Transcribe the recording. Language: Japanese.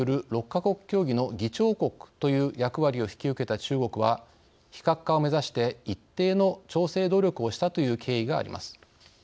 ６か国協議の議長国という役割を引き受けた中国は非核化を目指して一定の調整努力をしたという経緯があります。